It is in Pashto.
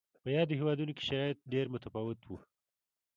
په یادو هېوادونو کې شرایط ډېر متفاوت و.